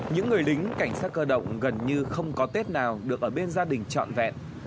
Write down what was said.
những người lính cảnh sát cơ động gần như không có tết nào được ở bên gia đình trọn vẹn